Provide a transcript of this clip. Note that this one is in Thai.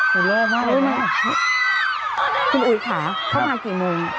เห็นแล้วว่ายังไงคุณอูยขาเข้ามากี่โมง